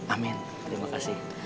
amin terima kasih